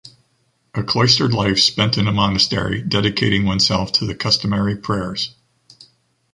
A cloistered life spent in a monastery dedicating oneself to the customary prayers.